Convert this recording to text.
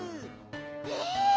え！